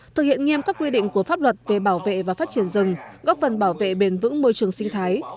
thực hiện nghiêm các quy định của pháp luật về bảo vệ và phát triển rừng góp phần bảo vệ bền vững môi trường sinh thái